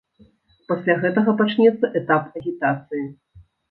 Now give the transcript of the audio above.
Пасля гэтага пачнецца этап агітацыі.